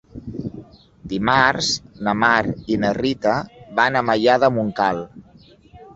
Dimarts na Mar i na Rita van a Maià de Montcal.